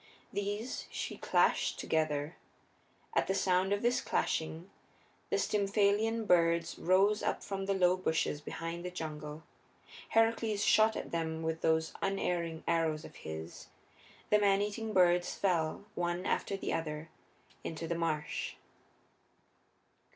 These she clashed together. At the sound of this clashing the Stymphalean birds rose up from the low bushes behind the jungle. Heracles shot at them with those unerring arrows of his. The maneating birds fell, one after the other, into the marsh.